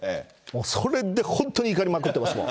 それで本当に怒りまくってます、もう。